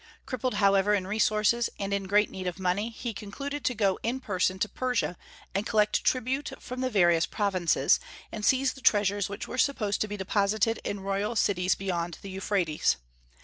Crippled, however, in resources, and in great need of money, he concluded to go in person to Persia and collect tribute from the various provinces, and seize the treasures which were supposed to be deposited in royal cities beyond the Euphrates.